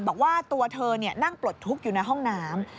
บอกว่าตัวเธอนั่งปลดทุกข์อยู่ในห้องน้ำ